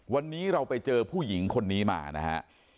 วันนี้เราไปเจอผู้หญิงคนนี้มานะฮะ